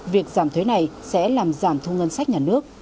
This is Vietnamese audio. việc giảm thuế này sẽ làm giảm thu ngân sách nhà nước